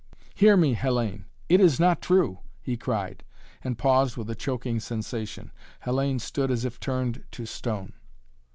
"Hear me, Hellayne it is not true!" he cried, and paused with a choking sensation. Hellayne stood as if turned to stone.